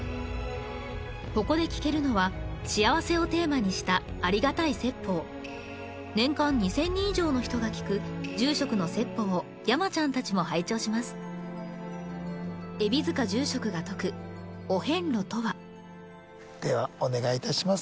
ここで聞けるのは「幸せ」をテーマにしたありがたい説法年間２，０００人以上の人が聞く住職の説法を山ちゃんたちも拝聴しますではお願いいたします